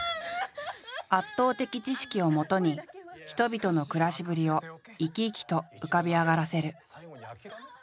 圧倒的知識をもとに人々の暮らしぶりを生き生きと浮かび上がらせる。